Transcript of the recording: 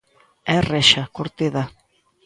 É rexa, curtida.